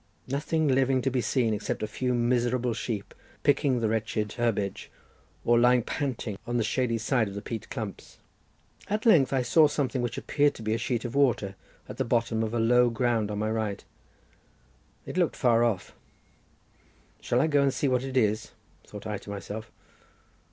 Nothing living to be seen except a few miserable sheep picking the wretched herbage, or lying panting on the shady side of the peat clumps. At length I saw something which appeared to be a sheet of water at the bottom of a low ground on my right. It looked far off—"Shall I go and see what it is?" thought I to myself.